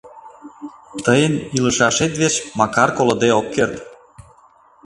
Тыйын илышашет верч Макар колыде ок керт.